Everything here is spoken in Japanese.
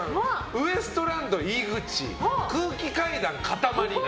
ウエストランド井口空気階段、かたまり。